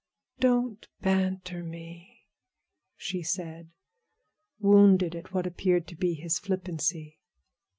"Don't banter me," she said, wounded at what appeared to be his flippancy.